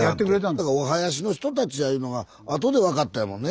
だからお囃子の人たちやいうのがあとで分かったやもんね。